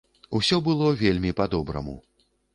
Усё было вельмі па-добраму.